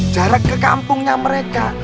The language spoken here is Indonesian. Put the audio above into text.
jarak ke kampungnya mereka